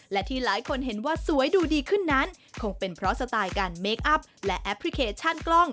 และที่หลายคนเห็นว่าสวยดูดีขึ้นนั้นคงเป็นเพราะสไตล์การเมคอัพและแอปพลิเคชันกล้อง